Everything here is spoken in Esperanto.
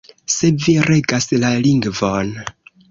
Se vi regas la lingvon.